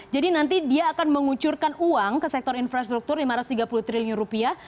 jadi nanti dia akan menguncurkan uang ke sektor infrastruktur lima ratus tiga puluh triliun rupiah